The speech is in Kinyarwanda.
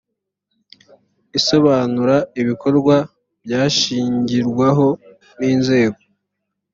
isobanura ibikorwa byashingirwaho n inzego